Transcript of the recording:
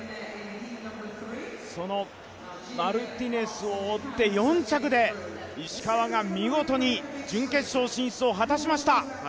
そのマルティネスを追って４着で石川が見事に準決勝進出を果たしました。